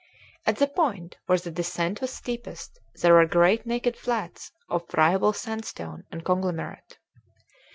At the point where the descent was steepest there were great naked flats of friable sandstone and conglomerate.